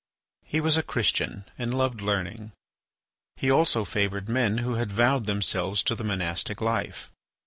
He was a Christian and loved learning. He also favoured men who had vowed themselves to the monastic life.